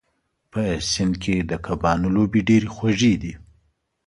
په سیند کې د کبانو لوبې ډېرې خوږې دي.